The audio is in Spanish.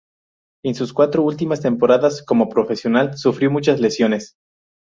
En sus cuatro últimas temporadas como profesional sufrió muchas lesiones.